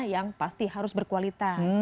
yang pasti harus berkualitas